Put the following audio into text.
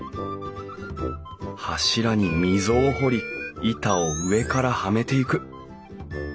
柱に溝を掘り板を上からはめていく。